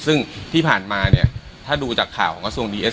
ซึ่งที่ผ่านมาเนี่ยถ้าดูจากข่าวของกระทรวงดีเอส